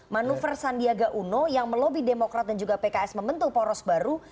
manuver sandiaga uno yang melobi demokrat dan juga pks membentuk poros baru